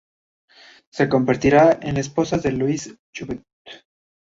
Se convertirá en la esposa de Louis Jouvet.